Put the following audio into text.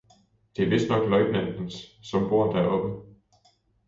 Det er vistnok løjtnantens, som bor deroppe.